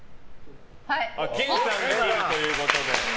研さんが切るということで。